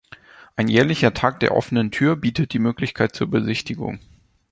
Ein jährlicher Tag der offenen Tür bietet die Möglichkeit zur Besichtigung.